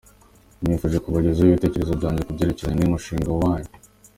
Nifuje kubagezaho ibitekerezo byanjye ku byerekeranye n’uyu mushinga wanyu.